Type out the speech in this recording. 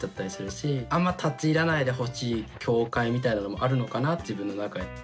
あんま立ち入らないでほしい境界みたいなのもあるのかな自分の中で。